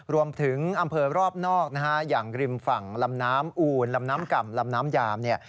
รวมถึงอำเภอรอบนอกนะฮะอย่างริมฝั่งลำน้ำอูนลำน้ำก่ำลำน้ำยามเนี่ย